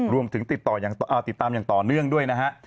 รวมถึงติดต่อติดตามอย่างต่อเนื่องด้วยนะฮะ